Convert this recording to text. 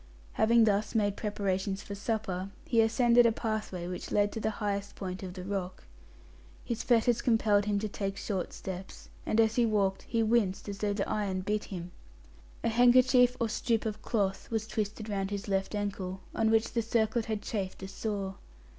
Having thus made preparations for supper, he ascended a pathway which led to the highest point of the rock. His fetters compelled him to take short steps, and, as he walked, he winced as though the iron bit him. A handkerchief or strip of cloth was twisted round his left ankle; on which the circlet had chafed a sore.